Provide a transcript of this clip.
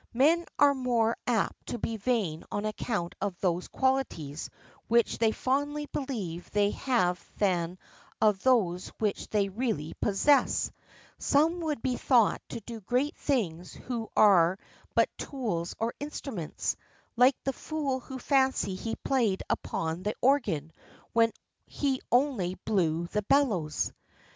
Men are more apt to be vain on account of those qualities which they fondly believe they have than of those which they really possess Some would be thought to do great things who are but tools or instruments, like the fool who fancied he played upon the organ when he only blew the bellows.